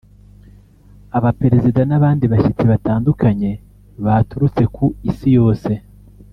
Abaperezida n’abandi bashyitsi batandukanye baturutse ku Isi yose